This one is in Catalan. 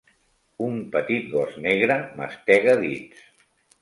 Un petit gos negre mastega dits.